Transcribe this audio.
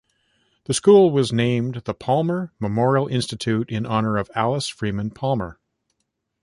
The school was named the Palmer Memorial Institute in honor of Alice Freeman Palmer.